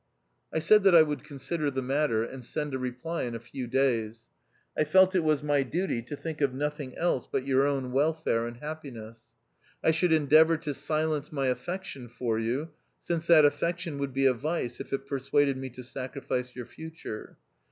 I said that I would consider the matter, and send a reply in a few days. I felt it was my duty to think of nothing else but your own welfare and happiness. 1 should endeavour to silence my affection for you since that affection would be a vice if it persuaded me to sacrifice your future.